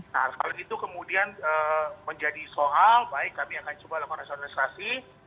nah kalau gitu kemudian menjadi soal baik kami akan coba lakukan resoran investasi